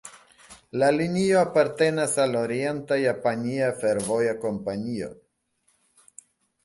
La linio apartenas al Orienta-Japania Fervoja Kompanio.